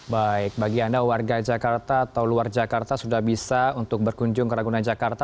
baik bagi anda warga jakarta atau luar jakarta sudah bisa untuk berkunjung ke ragunan jakarta